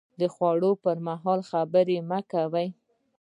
د خوړو پر مهال خبرې مه کوئ